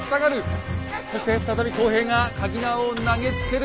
そして再び工兵がかぎ縄を投げつける。